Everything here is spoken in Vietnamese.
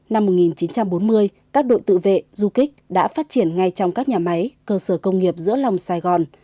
năm một nghìn chín trăm bốn mươi các đội tự vệ du kích đã phát triển ngay trong các nhà máy cơ sở công nghiệp giữa lòng sài gòn